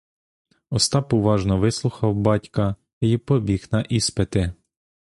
Остап уважно вислухав батька й побіг на іспити.